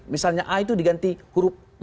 misalnya a itu diganti huruf b